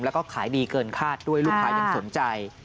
แล้วก็ขายดีเกินคาดด้วยลูกค้ายังสนใจ